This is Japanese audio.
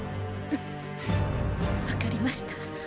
分かりました。